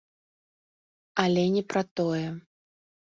Але не пра тое.